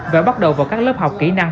và bắt đầu vào các lớp học kỹ năng